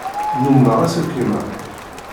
Nnummeɣ aselkim-a.